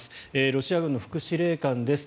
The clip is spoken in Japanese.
ロシア軍の副司令官です。